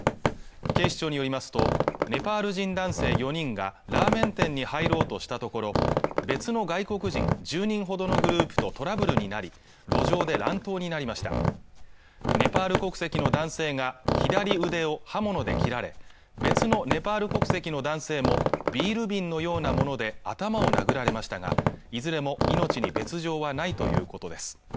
警視庁によりますとネパール人男性４人がラーメン店に入ろうとしたところ別の外国人１０人ほどのグループとトラブルになり路上で乱闘になりましたネパール国籍の男性が左胸を刃物で切られ別のネパール国籍の男性もビール瓶のようなもので頭を殴られましたがいずれも命に別状はないということです